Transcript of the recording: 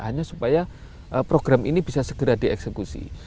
hanya supaya program ini bisa segera dieksekusi